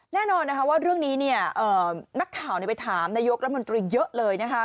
แน่นอนว่าเรื่องนี้นักข่าวไปถามนายโยครัฐมนตรีเยอะเลย